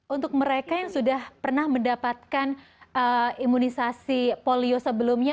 untuk mereka yang sudah pernah mendapatkan imunisasi polio sebelumnya